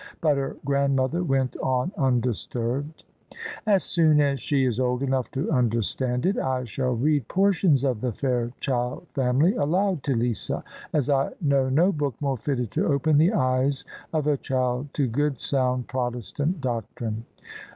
But her grandmother went on undisturbed: " As soon as she is old enough to understand it, I shall read portions of The Fairchild Family aloud to Lisa; as I know no book more fitted to open the eyes of a child to good sound Protestant doctrine."